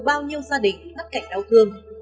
bao nhiêu gia đình bắt cạnh đau thương